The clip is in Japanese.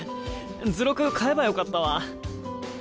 図録買えばよかったわ。